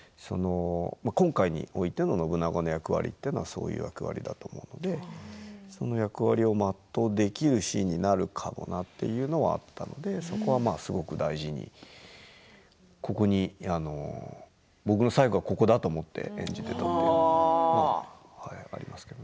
今回において信長の役割はそういう役割だと思うのでその役割を全うできるシーンになるかもなというのはあったのでそこはすごく大事に僕の最後はここだと思って演じていました。